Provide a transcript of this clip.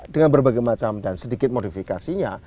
dengan berbagai macam dan sedikit modifikasinya